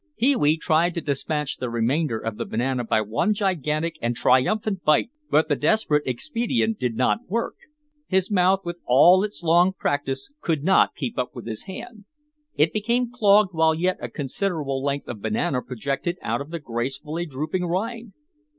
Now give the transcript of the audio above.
Pee wee tried to dispatch the remainder of the banana by one gigantic and triumphant bite but the desperate expedient did not work; his mouth with all its long practice, could not keep up with his hand; it became clogged while yet a considerable length of banana projected out of the gracefully drooping rind.